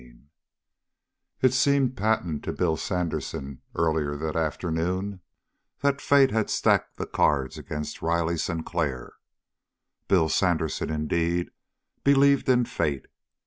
21 It seemed patent to Bill Sandersen, earlier that afternoon, that fate had stacked the cards against Riley Sinclair. Bill Sandersen indeed, believed in fate.